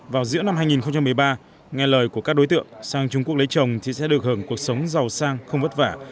vào giữa năm hai nghìn một mươi ba nghe lời của các đối tượng sang trung quốc lấy chồng thì sẽ được hưởng cuộc sống giàu sang không vất vả